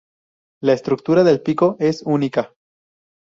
La estructura del pico es única.